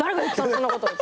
そんなこと。